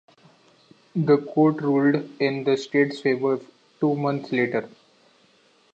The court ruled in the state's favor two months later.